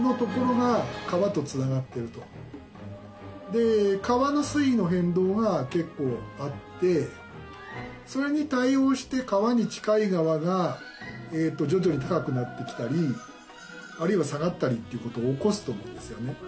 で川の水位の変動が結構あってそれに対応して川に近い側が徐々に高くなってきたりあるいは下がったりっていうことを起こすと思うんですよね。